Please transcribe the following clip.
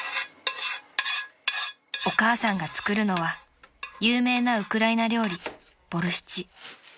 ［お母さんが作るのは有名なウクライナ料理ボルシチ］